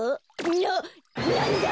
ななんだ！？